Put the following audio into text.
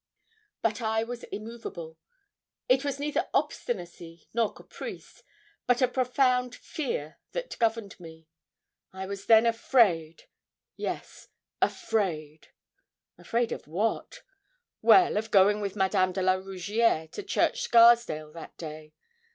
But I was immovable. It was neither obstinacy nor caprice, but a profound fear that governed me. I was then afraid yes, afraid. Afraid of what? Well, of going with Madame de la Rougierre to Church Scarsdale that day.